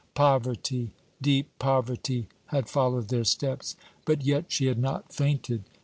Poverty, deep poverty, had followed their steps, but yet she had not fainted.